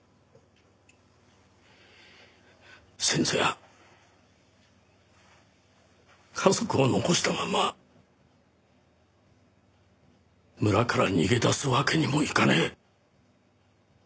先祖や家族を残したまんま村から逃げ出すわけにもいかねえ。